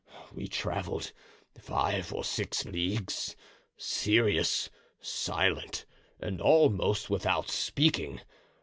We traveled five or six leagues, serious, silent, and almost without speaking.